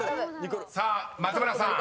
［さあ松村さん